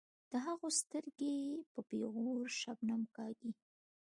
د هغو سترګې په پیغور شبنم کاږي.